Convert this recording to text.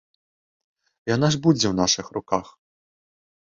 Яна ж будзе ў нашых руках.